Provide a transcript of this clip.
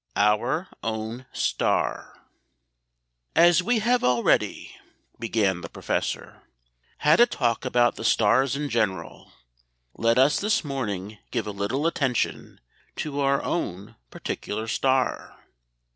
OUR OWN STAR. "As we have already," began the Professor, "had a talk about the stars in general, let us this morning give a little attention to our own particular star."